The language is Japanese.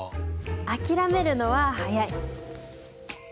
諦めるのは早い！